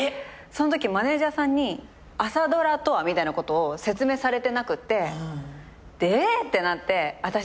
そんときマネジャーさんに朝ドラとはみたいなことを説明されてなくてえ！？ってなってあたしできません！